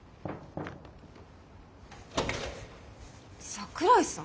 桜井さん？